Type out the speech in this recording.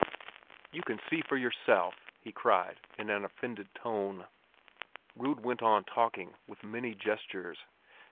"You can see for yourself!" he cried, in an offended tone. Rud went on talking, with many gestures.